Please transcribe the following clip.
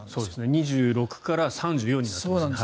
２６から３４になってますね。